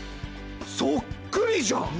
そっくりじゃん！